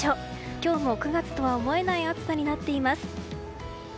今日も９月とは思えない暑さになっています。